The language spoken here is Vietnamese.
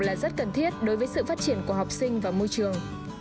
là rất cần thiết đối với sự phát triển của học sinh và môi trường